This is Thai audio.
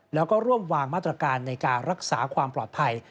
แล้วก็ร่วมวางมาตรการในการรักษาความปลอดภัย